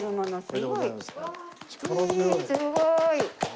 すごい！